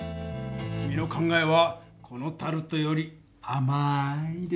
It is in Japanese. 君の考えはこのタルトよりあまいですなぁ！